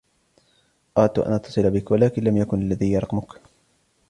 أردتُ أن أتصل بِكَ ولكن لم يكُن لديَ رقمك.